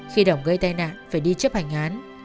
khi đồng gây tai nạn phải đi chấp hành án